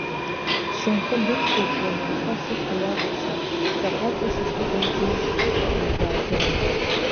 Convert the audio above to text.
Сшьамхы дықәтәоуп лнапқәа сыхәда иакәырша, ҵаҟа тышак ыҟоу џьылшьоит, дылбааӡом.